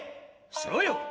「そうよ！